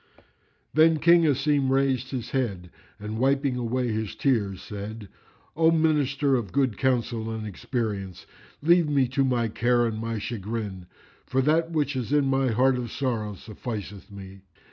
Then King Asim raised his head and, wiping away his tears, said, "O Minister of good counsel and experience, leave me to my care and my chagrin, for that which is in my heart of sorrow sufficeth me."